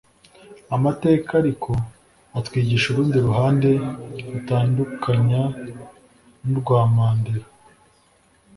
Amateka ariko atwigisha urundi ruhande rutandukanya n’u rwa Mandela